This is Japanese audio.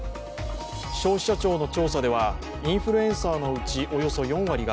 消費者庁の調査では、インフルエンサーのうちおよそ４割が